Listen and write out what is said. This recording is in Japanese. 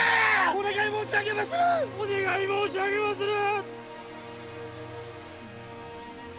お願い申し上げまする！